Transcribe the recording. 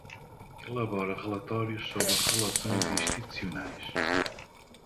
Elabora relatórios sobre relações institucionais.